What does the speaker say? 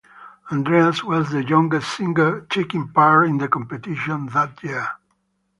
Andreas was the youngest singer taking part in the competition that year.